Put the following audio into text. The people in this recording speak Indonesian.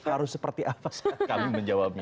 harus seperti apa saat kami menjawabnya